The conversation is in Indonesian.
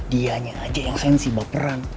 dianya aja yang fensi baperan